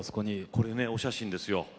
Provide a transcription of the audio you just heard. これねお写真ですよ。